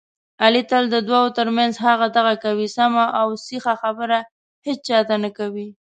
علي تل د دوو ترمنځ هغه دغه کوي، سمه اوسیخه خبره هېچاته نه کوي.